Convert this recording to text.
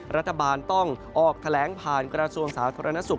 รัฐบาลต้องออกแถลงผ่านกระทรวงสาธารณสุข